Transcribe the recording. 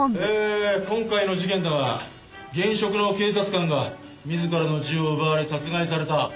えー今回の事件だが現職の警察官が自らの銃を奪われ殺害された。